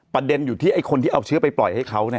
ประเด็นอยู่ที่ไอ้คนที่เอาเชื้อไปปล่อยให้เขา